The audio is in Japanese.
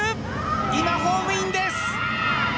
今、ホームインです。